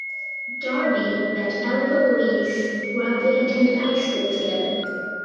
Darby met Elva Louise while they attended high school together.